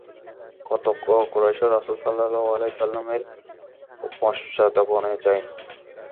কতক কুরাইশ রাসূল সাল্লাল্লাহু আলাইহি ওয়াসাল্লাম-এর পশ্চাদ্ধাবনে যায়।